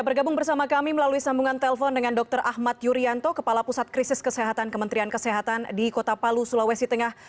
bergabung bersama kami melalui sambungan telpon dengan dr ahmad yuryanto kepala pusat krisis kesehatan kementerian kesehatan di kota palu sulawesi tengah